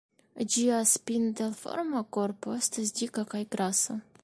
Ĝia spindel-forma korpo estas dika kaj grasa.